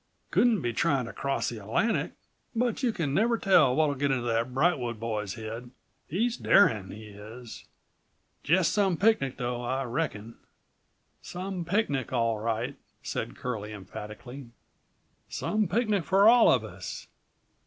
Couldn't be tryin' to cross the Atlantic, but you can never tell what'll get into127 that Brightwood boy's head. He's darin', he is. Jest some picnic, though, I reckon." "Some picnic all right!" said Curlie emphatically. "Some picnic for all of us!"